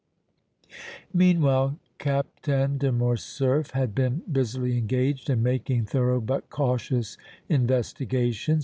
Meanwhile Captain de Morcerf had been busily engaged in making thorough but cautious investigations.